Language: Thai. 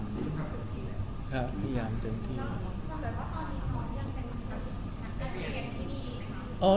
พยายามเดิมที่แล้ว